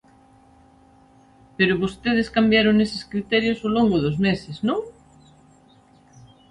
Pero vostedes cambiaron eses criterios ao longo dos meses, ¿non?